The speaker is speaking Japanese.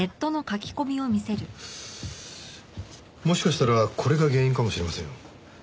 もしかしたらこれが原因かもしれませんよ。